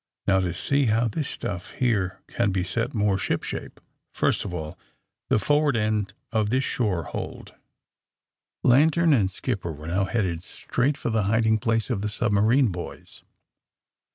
Now, to see how this stu:ff here can be set more ship shape. First of all, the forward end of this shore hold." Lantern and skipper were now headed straight for the hiding place of the submarine boys.